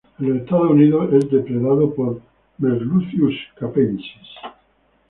En los Estados Unidos es depredado por "Merluccius capensis".